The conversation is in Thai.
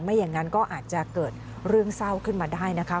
อย่างนั้นก็อาจจะเกิดเรื่องเศร้าขึ้นมาได้นะคะ